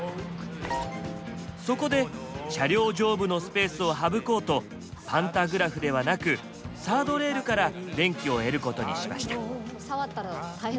そこで車両上部のスペースを省こうとパンタグラフではなくサードレールから電気を得ることにしました。